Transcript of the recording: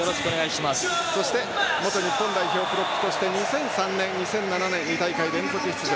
そして元日本代表プロップとして２００３年、２００７年２大会連続出場